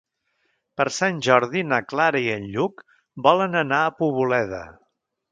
Per Sant Jordi na Clara i en Lluc volen anar a Poboleda.